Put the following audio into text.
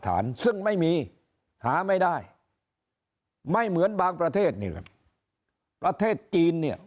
ซึ่งไม่มีหาไม่ได้ไม่เหมือนบางประเทศนี่ครับประเทศจีนเนี่ย